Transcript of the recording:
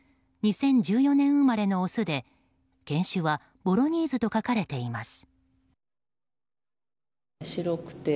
２０１４年生まれのメスで犬種はボロニーズと書かれています。